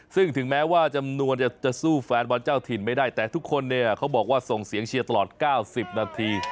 ซึ่งถึงแม้ว่าจำนวนจะสู้แฟนบอลเจ้าถิ่นไม่ได้แต่ทุกคนเนี่ยเขาบอกว่าส่งเสียงเชียร์ตลอด๙๐นาที